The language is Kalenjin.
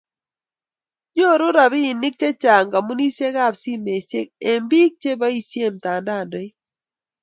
nyoru robinik chechang' kampunitab simesiek eng' biik che boisien mtandaoit